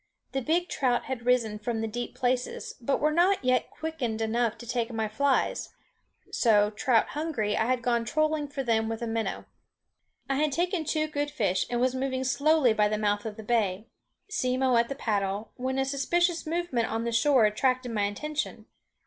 The big trout had risen from the deep places, but were not yet quickened enough to take my flies; so, trout hungry, I had gone trolling for them with a minnow. I had taken two good fish, and was moving slowly by the mouth of the bay, Simmo at the paddle, when a suspicious movement on the shore attracted my attention.